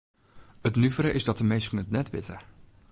It nuvere is dat de minsken it net witte.